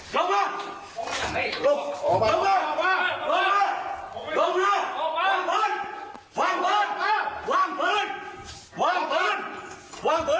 นอนแล้วนอน